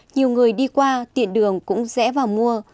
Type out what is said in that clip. nhiều người đi qua tiện đường cũng rẽ vào mua